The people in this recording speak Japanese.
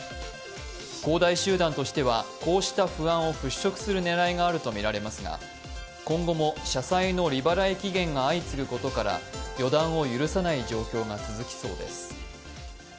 恒大集団としては、こうした不安をふっしょくする狙いがあるとみられますが今後も社債の利払い期限が相次ぐことから予断を許さない状況が続きそうです。